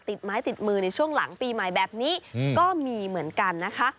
ติดไม้ติดมือในช่วงหลังปีใหม่แบบนี้ก็มีเหมือนกันนะคะ